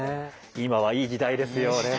今はいい時代ですよね